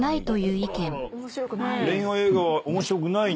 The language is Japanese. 恋愛映画は面白くないに。